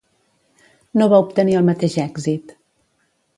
No va obtenir el mateix èxit.